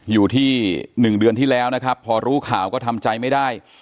อยู่ที่๑เดือนที่แล้วนะครับพอรู้ข่าวก็ทำใจไม่ได้